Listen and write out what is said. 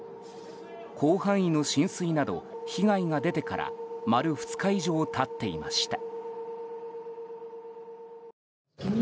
広範囲の浸水など被害が出てから丸２日以上経っていました。